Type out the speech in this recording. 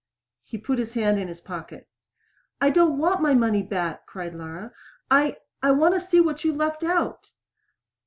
He put his hand in his pocket. "I don't want my money back!" cried Laura. "I want to see what you left out!"